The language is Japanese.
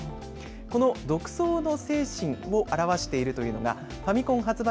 この独創の精神を表しているというのが、ファミコン発売